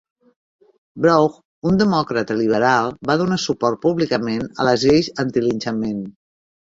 Brough, un demòcrata liberal, va donar suport públicament a les lleis antilinxament.